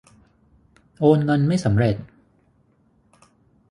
โอนเงินไม่สำเร็จ